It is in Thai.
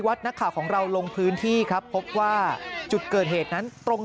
นักข่าวของเราลงพื้นที่ครับพบว่าจุดเกิดเหตุนั้นตรง